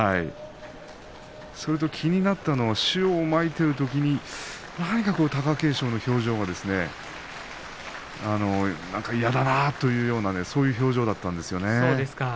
それと気になったのは塩をまいているとき何か貴景勝の表情が嫌だなというような表情でしたね。